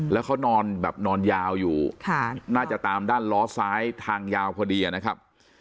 แล้วเขานอนแบบนอนยาวอยู่น่าจะตามด้านล้อซ้ายทางยาวพอดีนะครับ